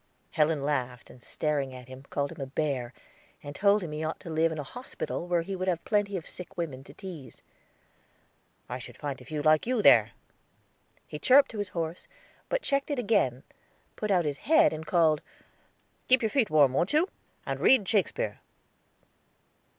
Helen laughed, and staring at him, called him a bear, and told him he ought to live in a hospital, where he would have plenty of sick women to tease. "I should find few like you there." He chirruped to his horse, but checked it again, put out his head and called, "Keep your feet warm, wont you? And read Shakespeare."